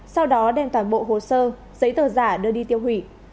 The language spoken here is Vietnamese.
sau đó đem toàn bộ hồ sơ giấy tờ giả đưa đi tiêu hủy